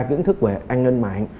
kiến thức về an ninh mạng